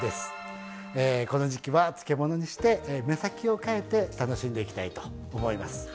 この時期は漬物にして目先を変えて楽しんでいきたいと思います。